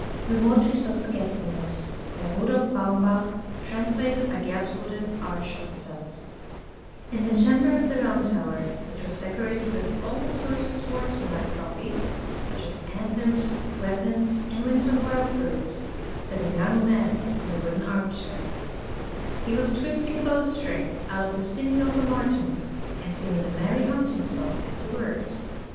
ir*. ^ yhi (F. 135) THE FALCONER {Eugent Fromentin) THE WATERS OF FORGETFULNESS In the chamber of the round tower, which was decorated with all sorts of sportsmanlike trophies, such as antlers, weapons, and wings of wild birds, sat a young man in a wooden arm chair. He was twisting a bow string out of the sinews of a marten, and singing a merry hunting song as he worked.